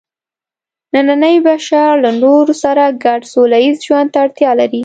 نننی بشر له نورو سره ګډ سوله ییز ژوند ته اړتیا لري.